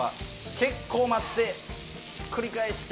結構待ってひっくり返して。